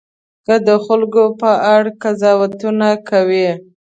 که د خلکو په اړه قضاوتونه کوئ.